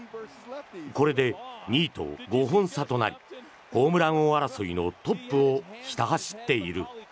これで２位と５本差となりホームラン王争いのトップをひた走っている。